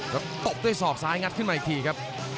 ตบด้วยศอกซ้ายงัดขึ้นมาอีกทีครับ